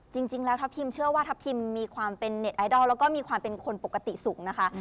จริงแล้วทัพทิมเชื่อว่าทัพทิมมีความเป็นเน็ตไอดอลแล้วก็มีความเป็นคนปกติสูงนะคะ